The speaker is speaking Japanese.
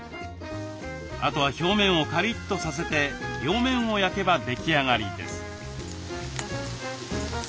あとは表面をカリッとさせて両面を焼けば出来上がりです。